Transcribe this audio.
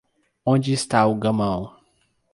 onde está o gamão?